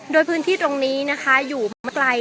โดยพื้นที่ตรงนี้นะคะอยู่ไม่ไกล